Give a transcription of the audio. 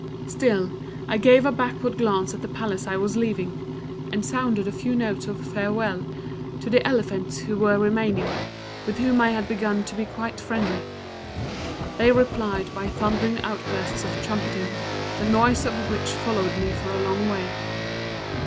Still, I gave a backward glance at the Palace I was leaving, and sounded a few notes of farewell to the elephants who were remaining, with whom I had begun to be quite friendly. They replied by thundering outbursts of trumpeting, the noise of which followed me for a long way.